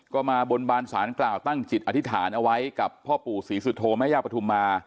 ก็มาบนบานสารกล่าวตั้งจิตอธิษฐานเอาไว้กับพ่อปู่ศรีสุโธแม่ย่าปฐุมมา